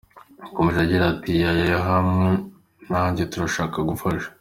Yakomeje agira ati “ Yaya hamwe nanjye turashaka gufasha.